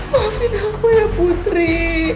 maafin aku ya putri